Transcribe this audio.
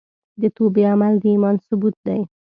د توبې عمل د ایمان ثبوت دی.